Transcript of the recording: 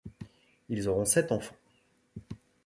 Ils auront sept enfants.